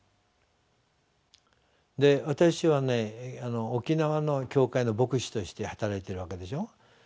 私はね沖縄の教会の牧師として働いてるわけでしょう。